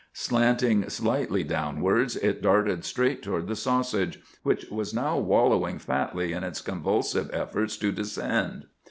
Slanting slightly downwards, it darted straight toward the sausage, which was now wallowing fatly in its convulsive efforts to descend.